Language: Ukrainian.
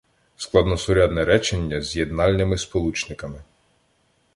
Складносурядне речення з єднальними сполучниками